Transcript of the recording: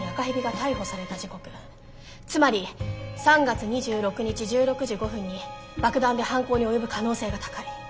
つまり３月２６日１６時５分に爆弾で犯行に及ぶ可能性が高い。